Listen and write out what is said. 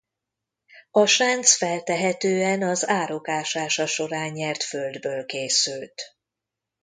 A sánc feltehetően az árok ásása során nyert földből készült.